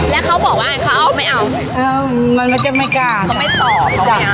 แล้วเขาบอกว่าไงเขาเอาไม่เอามันก็จะไม่กล้าเขาไม่ตอบเขาไม่เอา